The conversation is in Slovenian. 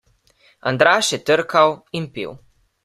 Andraž je trkal in pil.